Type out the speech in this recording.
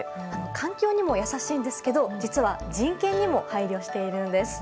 環境にもやさしいんですけど人権にも配慮しているんです。